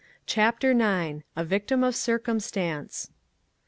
CHAPTER IX. A VICTIM OP CIRCUMSTANCE.